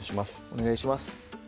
お願いします。